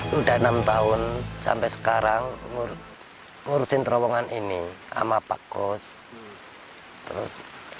sudah enam tahun sampai sekarang ngurusin terowongan ini sama pak kos